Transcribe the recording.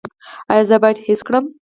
ایا زه باید حس کړم؟